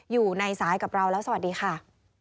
อยู่ในสายกับเราแล้วสวัสดีค่ะ